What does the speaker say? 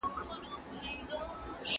تاسو باید د قانون اطاعت وکړئ.